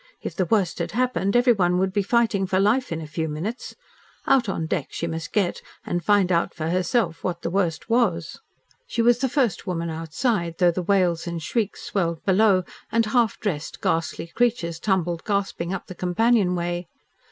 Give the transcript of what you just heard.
If the worst had happened, everyone would be fighting for life in a few minutes. Out on deck she must get and find out for herself what the worst was. She was the first woman outside, though the wails and shrieks swelled below, and half dressed, ghastly creatures tumbled gasping up the companion way.